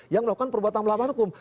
yang melakukan perbuatan melawan hukum